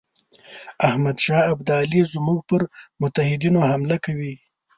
احمدشاه ابدالي زموږ پر متحدینو حمله کوي.